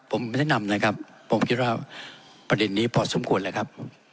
ผมไม่แนะนำนะครับผมคิดว่าประเด็นนี้พอสมควรเลยครับ